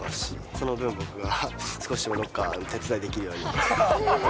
その分僕が、少しロッカーのお手伝いできるように。